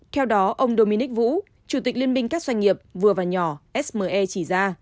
theo đó ông dominic vũ chủ tịch liên minh các doanh nghiệp vừa và nhỏ sme chỉ ra